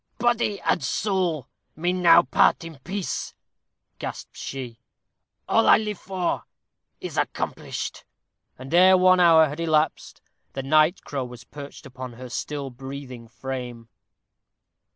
"Body and soul may now part in peace," gasped she. "All I live for is accomplished." And ere one hour had elapsed, the night crow was perched upon her still breathing frame.